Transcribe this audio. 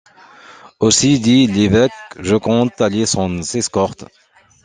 Aussi, dit l’évêque, je compte aller sans escorte.